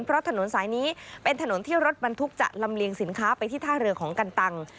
เพราะถนนสายนี้เป็นถนนที่รถบรรทุกจะลำเลียงสินค้าไปที่ท่าเรือของกันตัง